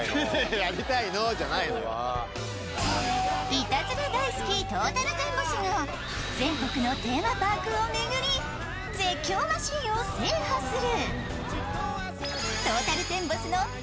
いたずら大好きトータルテンボスが全国のテーマパークを巡り絶叫マシーンを制覇する。